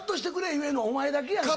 言えるのお前だけやねん。